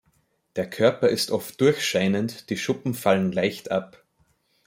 Der Körper ist oft durchscheinend, die Schuppen fallen leicht ab.